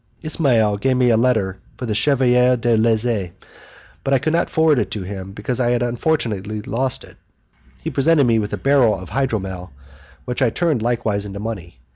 Ismail gave me a letter for the Chevalier de Lezze, but I could not forward it to him because I unfortunately lost it; he presented me with a barrel of hydromel, which I turned likewise into money.